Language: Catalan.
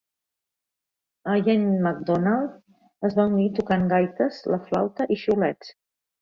Iain MacDonald es va unir tocant gaites, la flauta i xiulets.